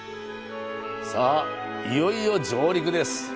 さあ、いよいよ上陸です。